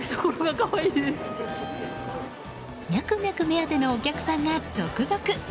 ミャクミャク目当てのお客さんが続々。